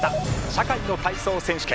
社会の体操選手権。